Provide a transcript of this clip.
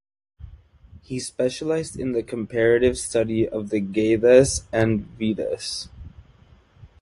He specialized in the comparative study of the Gathas and Vedas.